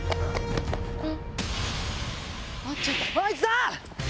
あいつだ！